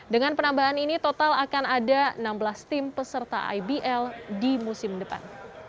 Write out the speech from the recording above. dengan penambahan ini total akan ada enam belas tim peserta ibl di musim depan